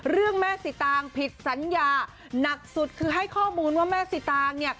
แม่สิตางผิดสัญญาหนักสุดคือให้ข้อมูลว่าแม่สิตางเนี่ย